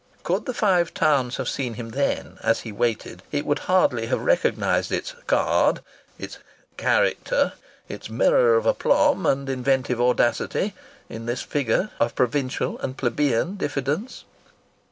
Could the Five Towns have seen him then, as he waited, it would hardly have recognized its "card," its character, its mirror of aplomb and inventive audacity, in this figure of provincial and plebeian diffidence.